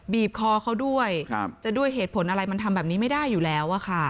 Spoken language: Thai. บีบคอเขาด้วยจะด้วยเหตุผลอะไรมันทำแบบนี้ไม่ได้อยู่แล้วอะค่ะ